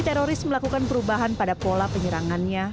teroris melakukan perubahan pada pola penyerangannya